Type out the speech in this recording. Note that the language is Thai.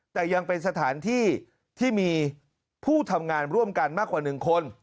แต่ยังเป็นสถานที่ที่มีผู้ทำงานร่วมกันมากกว่า๑คน